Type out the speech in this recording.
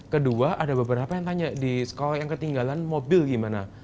kedua ada beberapa yang tanya kalau yang ketinggalan mobil gimana